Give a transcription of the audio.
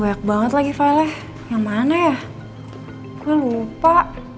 banyak banget lagi file yang mana ya gue lupa